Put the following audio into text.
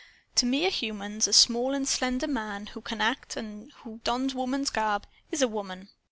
To mere humans, a small and slender man, who can act, and who dons woman's garb, is a woman.